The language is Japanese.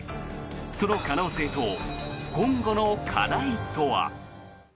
その可能性と今後の課題とは。